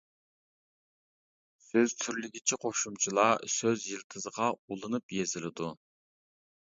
سۆز تۈرلىگۈچى قوشۇمچىلار سۆز يىلتىزىغا ئۇلىنىپ يېزىلىدۇ.